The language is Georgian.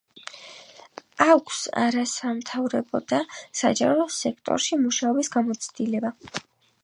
აქვს არასამთავრობო და საჯარო სექტორში მუშაობის გამოცდილება.